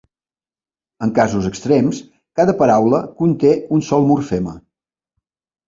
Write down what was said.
En casos extrems, cada paraula conté un sol morfema.